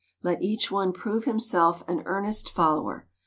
Let each one prove herself an earnest follower.